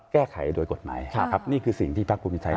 แก้ไขโดยกฎหมายนะครับนี่คือสิ่งที่ภาคภูมิใจไทย